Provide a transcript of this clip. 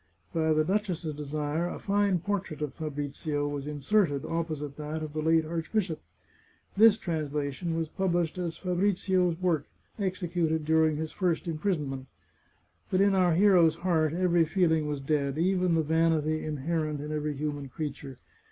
By the duchess's desire a fine portrait of Fabrizio was inserted, opposite that of the late archbishop. This translation was published as Fabrizio's work, executed during his first imprisonment. But in our hero's heart every feeling was dead, even the vanity inherent in every human creature.